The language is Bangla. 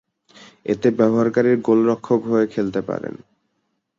এতে ব্যবহারকারী গোলরক্ষক হয়ে খেলতে পারেন।